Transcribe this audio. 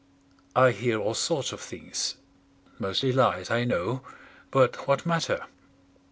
I hear all sorts of things; mostly lies, I know; but what matter?